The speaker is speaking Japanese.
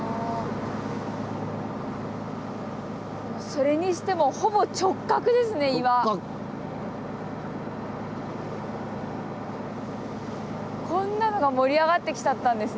それにしてもこんなのが盛り上がってきちゃったんですね。